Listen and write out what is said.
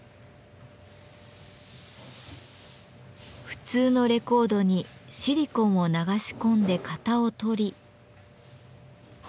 普通のレコードにシリコンを流し込んで型を取り。